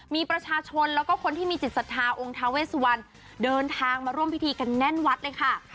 มีประชาชนแล้วก็คนที่มีจิตศรัทธาองค์ทาเวสวันเดินทางมาร่วมพิธีกันแน่นวัดเลยค่ะ